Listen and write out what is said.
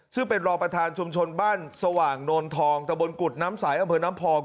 ซึ่งเป็นรองประธานชุมชนบ้านสว่างโนนทองตะบนกุฎน้ำสายอำเภอน้ำพอง